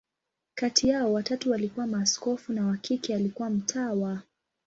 Kati yao, watatu walikuwa maaskofu, na wa kike alikuwa mtawa.